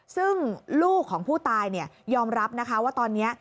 ซึ่งลูกของผู้ตายยอมรับนะคะว่าตอนนี้